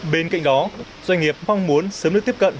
bên cạnh đó doanh nghiệp mong muốn sớm được tiếp cận